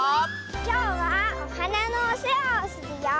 きょうはおはなのおせわをするよ！